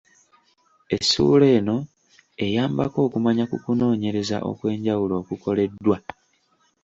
Essuula eno eyambako okumanya ku kunoonyereza okw’enjawulo okukoleddwa.